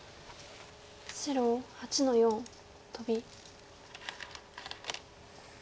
白８の四トビ。